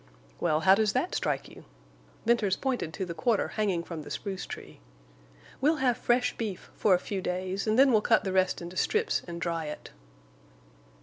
"Well, how does that strike you?" Venters pointed to the quarter hanging from the spruce tree. "We'll have fresh beef for a few days, then we'll cut the rest into strips and dry it."